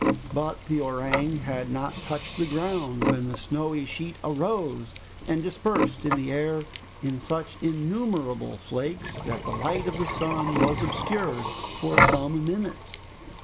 But the orang had not touched the ground, when the snowy sheet arose and dispersed in the air in such innumerable flakes that the light of the sun was obscured for some minutes.